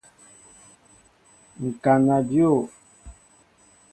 Ŋkana dyǒw.